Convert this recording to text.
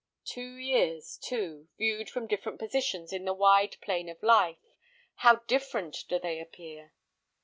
Two years, too, viewed from different positions in the wide plain of life, how different do they appear!